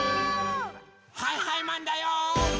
はいはいマンだよ！